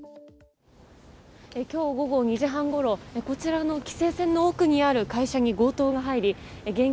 今日午後２時半ごろこちらの規制線の奥にある会社に強盗が入り現金